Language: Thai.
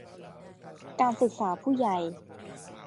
การศึกษาผู้ใหญ่